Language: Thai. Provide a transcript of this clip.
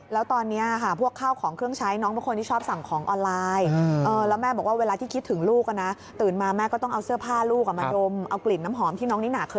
แล้วตอนนี้พวกเข้าของเครื่องใช้น้องเป็นคนที่ชอบสั่งของออนไลน์